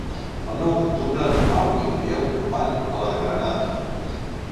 El nou d'octubre en Pau i en Biel van a la Granada.